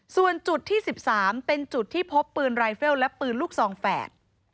ส่วนจุดที่สิบสามเป็นจุดที่พบปืนรายเฟลและปืนลูกซองแฝด